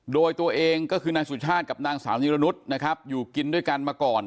โดยตัวเองก็คือนายสุชาติกับนางสาวนิรนุษย์นะครับอยู่กินด้วยกันมาก่อน